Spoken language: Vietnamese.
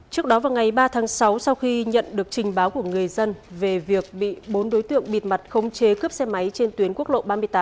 trước đó vào ngày ba tháng sáu sau khi nhận được trình báo của người dân về việc bị bốn đối tượng bịt mặt khống chế cướp xe máy trên tuyến quốc lộ ba mươi tám